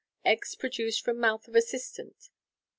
4. Eggs produced from mouth of assistant (page 329).